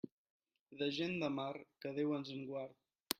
De gent de mar, que Déu ens en guard.